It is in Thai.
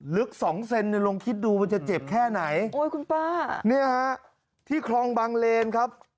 ลึกสองเซนเนี่ยลองคิดดูมันจะเจ็บแค่ไหนโอ้ยคุณป้าเนี่ยฮะที่คลองบางเลนครับ